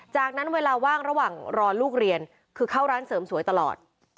จากนั้นเวลาว่างระหว่างรอลูกเรียนคือเข้าร้านเสริมสวยตลอด